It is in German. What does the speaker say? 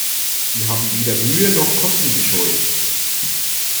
Wir haben weder Mühe noch Kosten gescheut.